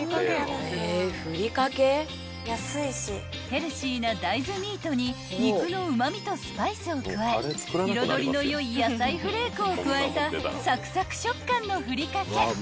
［ヘルシーな大豆ミートに肉のうま味とスパイスを加え彩りのよい野菜フレークを加えたサクサク食感のふりかけ］